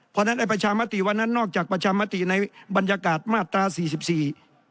เพราะฉะนั้นไอ้ประชามติวันนั้นนอกจากประชามติในบรรยากาศมาตราสี่สิบสี่